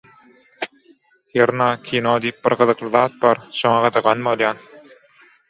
Hernä kino diýip bir gyzykly zat bar, şoňa gyzygan bolýan.